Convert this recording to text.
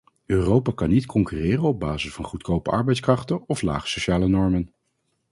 Europa kan niet concurreren op basis van goedkope arbeidskrachten of lage sociale normen.